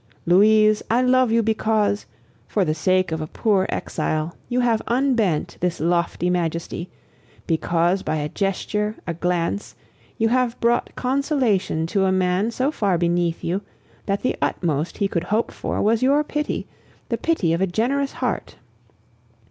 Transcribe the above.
Louise, I love you because, for the sake of a poor exile, you have unbent this lofty majesty, because by a gesture, a glance, you have brought consolation to a man so far beneath you that the utmost he could hope for was your pity, the pity of a generous heart.